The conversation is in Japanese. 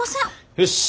よし。